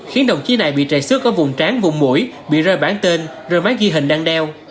khiến đồng chí này bị trầy xước ở vùng tráng vùng mũi bị rơi bản tên rơi máy ghi hình đăng đeo